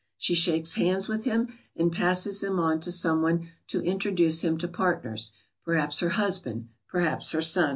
She shakes hands with him and passes him on to some one to introduce him to partners, perhaps her husband, perhaps her son.